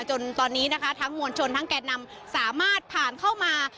จนตอนนี้นะคะทั้งมวลชนทั้งแก่นำสามารถผ่านเข้ามา